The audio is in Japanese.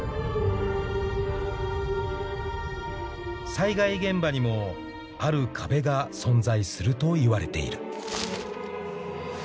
［災害現場にもある壁が存在するといわれている］